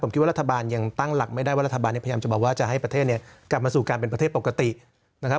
ผมคิดว่ารัฐบาลยังตั้งหลักไม่ได้ว่ารัฐบาลพยายามจะบอกว่าจะให้ประเทศเนี่ยกลับมาสู่การเป็นประเทศปกตินะครับ